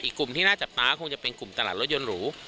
กลุ่มที่น่าจับตาคงจะเป็นกลุ่มตลาดรถยนต์หรู